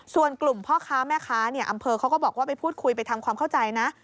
ส่วนกลุ่มพ่อค้าแม่ค้าอำเภอเขาก็บอกว่าไปพูดคุยไปทำความเข้าใจนะ